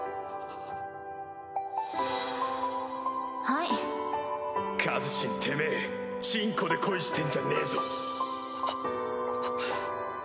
はいカズちんてめぇチンコで恋してんじゃはっ。